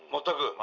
全く？